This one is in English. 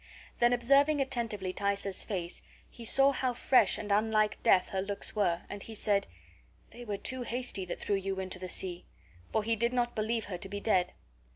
Then, observing attentively Thaisa's face, he saw how fresh and unlike death her looks were, and he said, "They were too hasty that threw you into the sea"; for he did not believe her to be dead.